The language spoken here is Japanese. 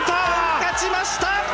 勝ちました。